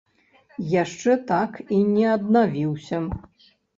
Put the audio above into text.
Яшчэ так і не аднавіўся.